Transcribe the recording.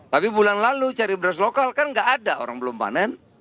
tapi bulan lalu cari beras lokal kan nggak ada orang belum panen